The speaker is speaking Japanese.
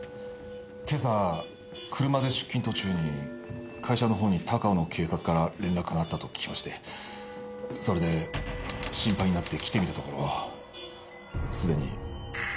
今朝車で出勤途中に会社のほうに高尾の警察から連絡があったと聞きましてそれで心配になって来てみたところすでに社長は玄関先で亡くなっていました。